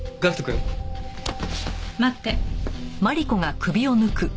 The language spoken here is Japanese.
待って。